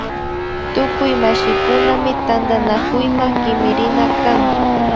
Tukuy mashikunami tantanakuyma kimirina kan